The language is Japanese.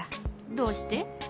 どうして？